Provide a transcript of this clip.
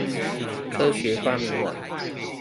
科學發明王